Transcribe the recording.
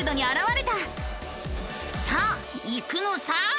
さあ行くのさ！